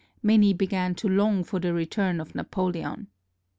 Many began to long for the return of Napoleon.